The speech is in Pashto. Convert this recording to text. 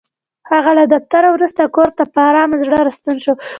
هغه له دفتره وروسته کور ته په ارامه زړه راستون شو.